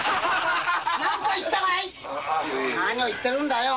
何を言ってるんだよ